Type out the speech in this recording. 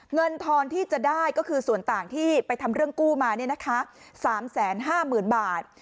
เงินทอนที่จะได้ก็คือส่วนต่างที่ไปทำเรื่องกู้มาเนี้ยนะคะสามแสนห้าหมื่นบาท